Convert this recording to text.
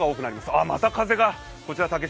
あ、また風がこちら竹芝